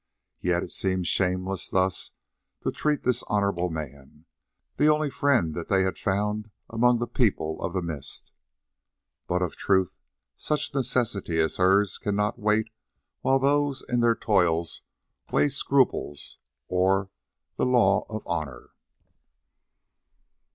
Yet it seemed shameless thus to treat this honourable man, the only friend that they had found among the People of the Mist. But of a truth, such necessities as hers cannot wait while those in their toils weigh scruples or the law of honour.